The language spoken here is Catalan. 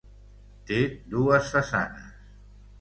Té dues façanes.